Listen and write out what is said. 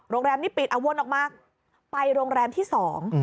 โรงแรมนี้ปิดเอาวนออกมาไปโรงแรมที่สอง